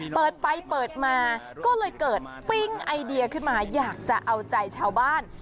เปิดไปเปิดมาก็เลยเกิดปิ้งไอเดียขึ้นมาอยากจะเอาใจชาวบ้าน